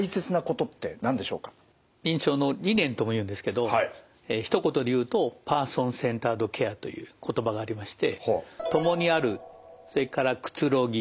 認知症の理念ともいうんですけどひと言で言うとパーソン・センタード・ケアという言葉がありまして。